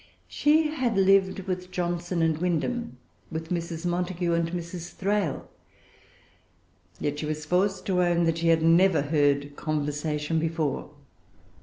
She had lived with Johnson and Windham,[Pg 378] with Mrs. Montague and Mrs. Thrale. Yet she was forced to own that she had never heard conversation before.